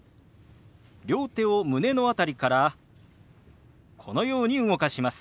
両手を胸の辺りからこのように動かします。